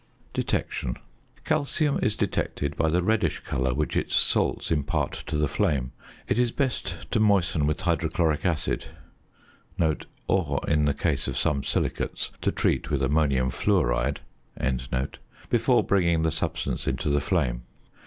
~Detection.~ Calcium is detected by the reddish colour which its salts impart to the flame. It is best to moisten with hydrochloric acid (or, in the case of some silicates, to treat with ammonium fluoride) before bringing the substance into the flame.